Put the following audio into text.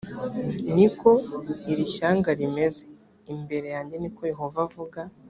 ni ko iri shyanga rimeze imbere yanjye ni ko yehova avuga